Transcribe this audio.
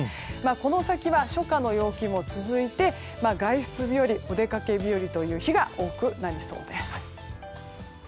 この先は初夏の陽気も続いて外出日和お出かけ日和という日が多くなりそうです。